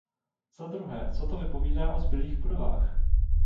Za druhé, co to vypovídá o zbylých budovách?